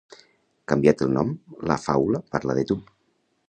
Canviat el nom, la faula parla de tu.